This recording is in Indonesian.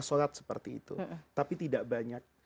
sholat seperti itu tapi tidak banyak